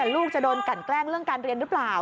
ลูกจะโดนกันแกล้งเรื่องการเรียนหรือเปล่า